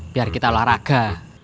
biar kita olahraga